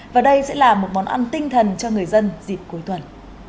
và đây sẽ là một món ăn tinh thần cho người dân dịp cuối tuần